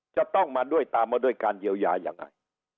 จะต้องมาตามมาด้วยการเยียวยาอย่างไร